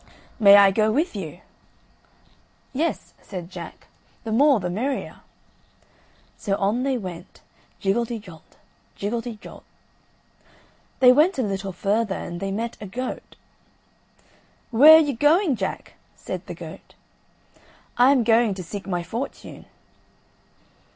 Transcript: "May I go with you?" "Yes," said Jack, "the more the merrier." So on they went, jiggelty jolt, jiggelty jolt. They went a little further and they met a goat. "Where are you going, Jack?" said the goat. "I am going to seek my fortune."